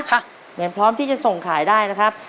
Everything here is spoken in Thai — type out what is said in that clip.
เพราะฉะนั้นพร้อมที่จะส่งขายได้นะครับ